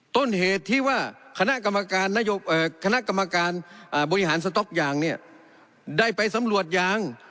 ต้นเหตุที่ว่าคณะกรรมการบริหารสต๊อกยางได้ไปสำรวจยาง